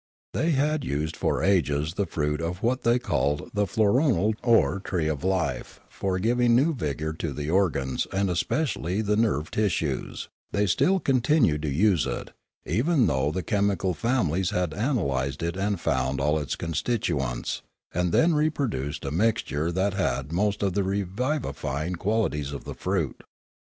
They had used for ages the fruit of . what they called the floronal or tree of life for giving new vigour to the organs and especially to the nerve tissues; they still continued to use it, even though the chemical families had analysed it and found all its con stituents, and then reproduced a mixture that had most of the revivifying qualities of the fruit.